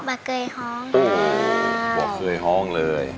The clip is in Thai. ไม่เคยฮ้องเลย